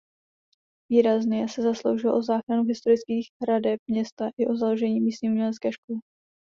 Výrazně se zasloužil o záchranu historických hradeb města i o založení místní umělecké školy.